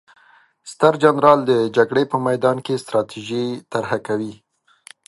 ستر جنرال د جګړې په میدان کې ستراتیژي طرحه کوي.